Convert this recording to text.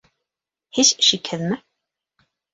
— Һис шикһеҙме?